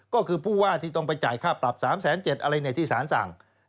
ก็คือผู้ว่าที่ต้องไปจ่ายค่าปรับ๓๗๐๐อะไรที่สารสั่ง